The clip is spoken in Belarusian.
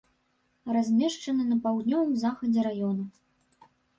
Размешчаны на паўднёвым захадзе раёна.